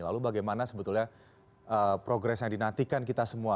lalu bagaimana sebetulnya progres yang dinantikan kita semua